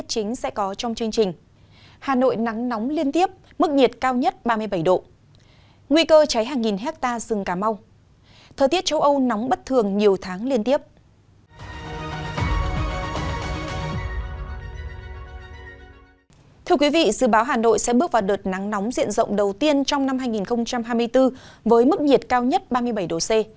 thưa quý vị dự báo hà nội sẽ bước vào đợt nắng nóng diện rộng đầu tiên trong năm hai nghìn hai mươi bốn với mức nhiệt cao nhất ba mươi bảy độ c